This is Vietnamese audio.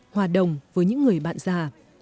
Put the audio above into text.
hòa đồng với những người bạn già